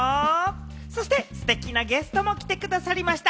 そしてステキなゲストも来てくださいました！